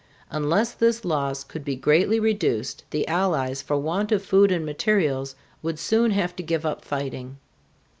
Unless this loss could be greatly reduced the Allies for want of food and materials would soon have to give up fighting.